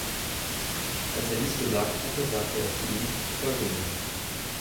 Als er dies gesagt hatte, sagte er zu ihm: Folge mir.